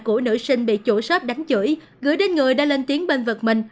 của nữ sinh bị chủ shop đánh chửi gửi đến người đã lên tiếng bên vật mình